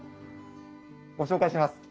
ご紹介します。